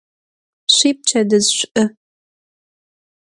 Şüipçedıj ş'u!